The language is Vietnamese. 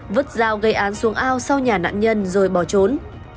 vứt dao gây án xuống ao sau nhà nạn nhân rồi bỏ trốn